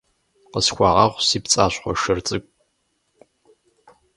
Къысхуэгъэгъу, си пцӀащхъуэ шыр цӀыкӀу.